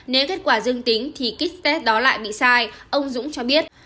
nếu kết quả dương tính thì kit test đó lại bị sai ông dũng cho biết